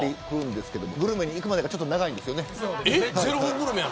グルメにいくまでが長いんですよね。